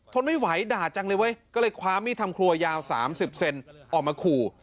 ทนไม่ไหวด่าจังเลยเว้ยก็เลยคว้ามีดทำครัวยาว๓๐เซนออกมาขู่